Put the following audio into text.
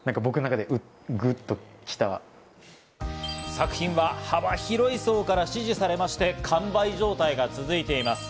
作品は幅広い層から支持されまして完売状態が続いています。